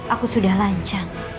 aku sudah lancar